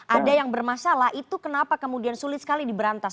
ada yang bermasalah itu kenapa kemudian sulit sekali diberantas